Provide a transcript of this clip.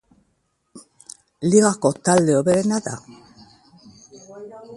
Ligako talde hoberena da.